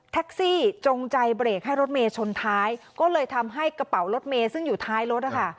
จงใจเบรกให้รถเมย์ชนท้ายก็เลยทำให้กระเป๋ารถเมย์ซึ่งอยู่ท้ายรถนะคะ